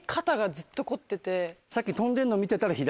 さっき。